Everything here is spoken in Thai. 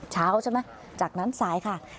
เช้าใช่ไหมจากนั้นสายค่ะ